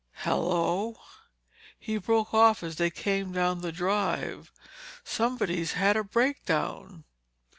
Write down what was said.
Hello—" he broke off as they came down the drive, "somebody's had a breakdown."